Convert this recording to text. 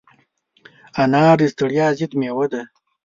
انار د ستړیا ضد مېوه ده.